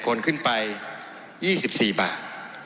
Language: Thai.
คนขึ้นไป๒๔บาท